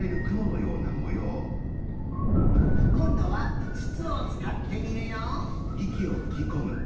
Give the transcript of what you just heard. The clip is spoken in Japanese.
こんどはつつをつかってみるよ！